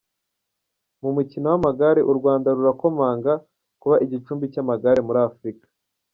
Mu mukino w’amagare, U Rwanda rurakomanga, kuba igicumbi cy’Amagare muri Afurika ….